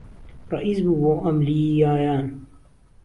ڕەئیس بوو بۆ ئهملییایان